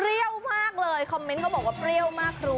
อุ้ยคำสั่งเมื่อก็บอกว่าก็ปริ้วมากครู